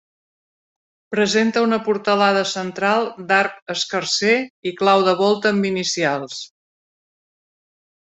Presenta una portalada central d'arc escarser i clau de volta amb inicials.